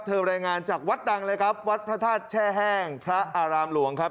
รายงานจากวัดดังเลยครับวัดพระธาตุแช่แห้งพระอารามหลวงครับ